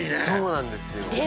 そうなんですよ。